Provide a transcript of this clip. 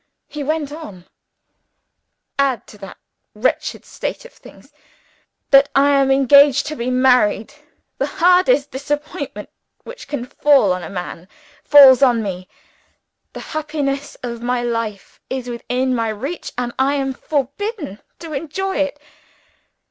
He went on: "Add to that wretched state of things that I am engaged to be married. The hardest disappointment which can fall on a man, falls on me. The happiness of my life is within my reach and I am forbidden to enjoy it.